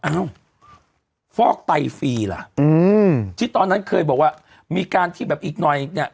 อ้าวฟอกไตฟรีล่ะอืมที่ตอนนั้นเคยบอกว่ามีการที่แบบอีกหน่อยเนี่ย